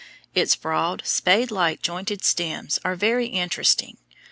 Its broad, spade like, jointed stems are very interesting.